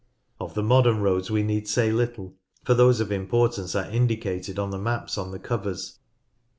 Of the modern roads we need say little, for those of importance are indicated on the maps on the covers.